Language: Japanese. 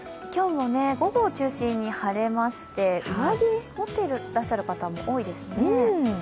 今日も午後を中心に晴れまして、上着持ってらっしゃる方も多いですね。